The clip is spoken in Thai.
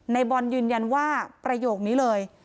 ในบอลยืนยันว่าประโยคนี้เลย